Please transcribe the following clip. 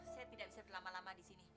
saya tidak bisa berlama lama di sini